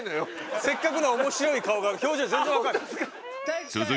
せっかくの面白い顔が表情全然わかんない。